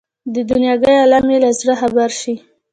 د دنیاګۍ عالم یې له زړه خبر شي.